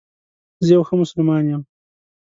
زه یو ښه مسلمان یم